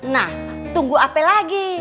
nah tunggu apa lagi